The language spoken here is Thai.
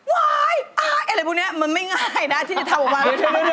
ว้ายอ๋ออะไรพวกนี้มันไม่ง่ายนะที่จะทำออกมา